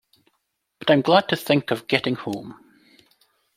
But I’m glad to think of getting home.